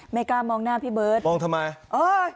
กล้ามองหน้าพี่เบิร์ตมองทำไมเออ